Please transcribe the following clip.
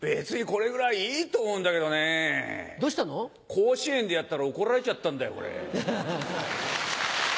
甲子園でやったら怒られちゃったんだよこれ。